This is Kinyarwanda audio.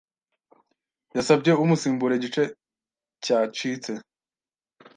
Yasabye umusimbura igice cyacitse.